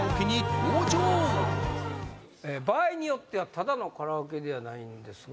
えー「場合によってはただのカラオケではないんですが」